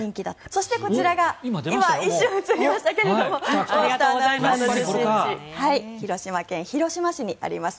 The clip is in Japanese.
そして、こちらが今、一瞬映りましたが大下アナウンサーの出身地広島県広島市にあります。